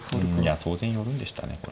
当然寄るんでしたねこれ。